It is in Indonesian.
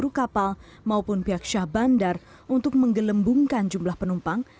kru kapal maupun pihak syah bandar untuk menggelembungkan jumlah penumpang